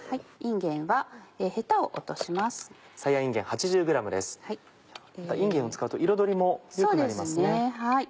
いんげんを使うと彩りも良くなりますね。